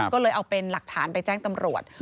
ก็เลยเอาเป็นหลักฐานไปแจ้งตำรวจ